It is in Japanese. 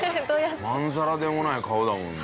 まんざらでもない顔だもんな。